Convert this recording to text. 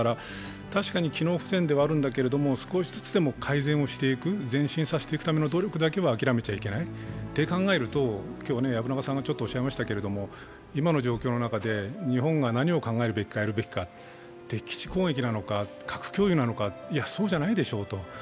確かに機能不全ではあるんだけど少しずつでも前進させていくための努力だけはあきらめちゃいけないと思うと今の状況の中で、日本が何を考えるべきか、やるべきか、敵基地攻撃なのか核共有なのか、いや、そうじゃないでしょうと。